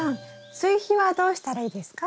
追肥はどうしたらいいですか？